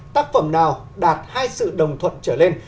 tác phẩm nào đạt hai sự đồng thuận trở lên